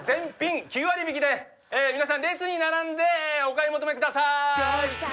皆さん列に並んでお買い求めください！